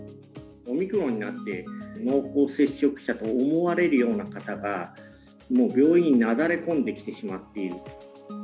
オミクロンになって、濃厚接触者と思われるような方が、もう病院になだれ込んできてしまっている。